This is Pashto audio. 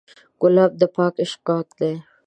ګلاب د پاک عشق غږ دی.